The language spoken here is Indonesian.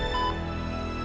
ya allah papa